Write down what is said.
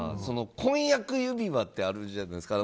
婚約指輪ってあるじゃないですか。